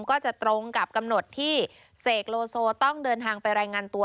ก็จะตรงกับกำหนดที่เสกโลโซต้องเดินทางไปรายงานตัว